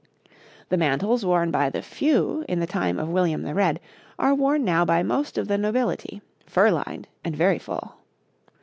The mantles worn by the few in the time of William the Red are worn now by most of the nobility, fur lined and very full.